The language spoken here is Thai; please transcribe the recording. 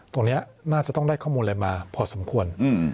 ตรงนี้น่าจะต้องได้ข้อมูลอะไรมาพอสมควร